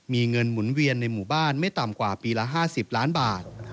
มีเงินหมุนเวียนในหมู่บ้านไม่ต่ำกว่าปีละ๕๐ล้านบาท